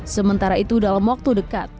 sementara itu dalam waktu dekat